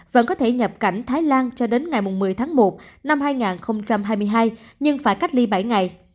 vẫn có thể nhập cảnh thái lan cho đến ngày một mươi tháng một năm hai nghìn hai mươi hai nhưng phải cách ly bảy ngày